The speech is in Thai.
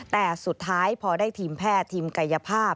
แต่สุดท้ายพอได้ทีมแพทย์ทีมกายภาพ